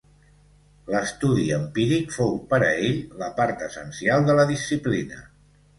L'estudi empíric fou, per a ell, la part essencial de la disciplina.